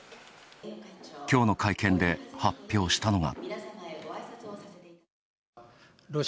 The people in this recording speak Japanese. きょうの会見で発表したのが。